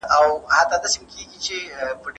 خویندو لپاره د ډوډۍ